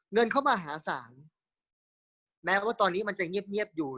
เงินเข้ามาหาศาลแม้ว่าตอนนี้มันจะเงียบอยู่